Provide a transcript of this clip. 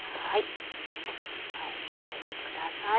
あえておいてください。